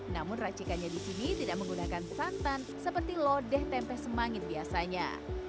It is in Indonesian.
namun racikannya di sini tidak menggunakan santan seperti lodeh tempe semangit biasanya